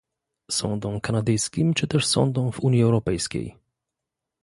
Sądom kanadyjskim czy też sądom w Unii Europejskiej?